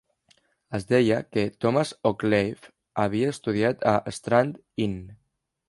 Es deia que Thomas Occleve havia estudiat a Strand Inn.